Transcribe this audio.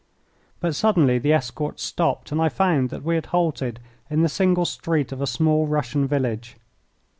But suddenly the escort stopped, and I found that we had halted in the single street of a small Russian village.